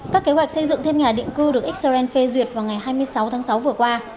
các kế hoạch xây dựng thêm nhà định cư được xrn phê duyệt vào ngày hai mươi sáu tháng sáu vừa qua